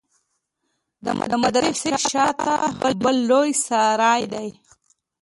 د مدرسې شا ته بل لوى سراى دى.